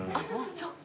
そっか。